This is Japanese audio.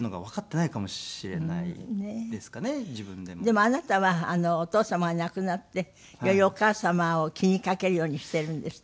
でもあなたはお父様が亡くなってよりお母様を気に掛けるようにしているんですって？